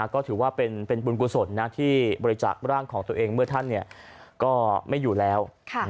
ก็ถือว่าเป็นบุญกุศลที่บริจาคร่างของตัวเองเมื่อท่านก็ไม่อยู่แล้ว